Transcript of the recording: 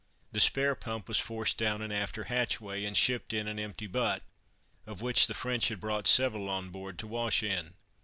The spare pump was forced down an after hatchway, and shipped in an empty butt, of which the French had brought several on board to wash in.